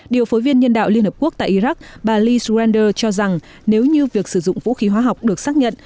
điều phối viên nhân đạo liên hợp quốc tại iraq bà lee swelders cho rằng nếu như việc sử dụng vũ khí hóa học được xác nhận